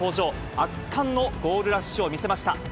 圧巻のゴールラッシュを見せました。